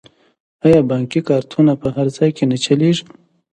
آیا بانکي کارتونه په هر ځای کې نه چلیږي؟